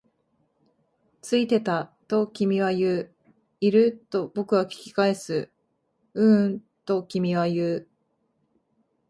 ついてた、と君は言う。いる？と僕は聞き返す。ううん、と君は言う。